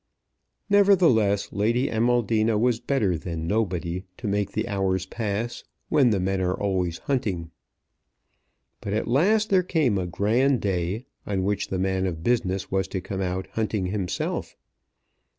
Nevertheless Lady Amaldina was better than nobody to make the hours pass when the men are away hunting. But at last there came a grand day, on which the man of business was to come out hunting himself.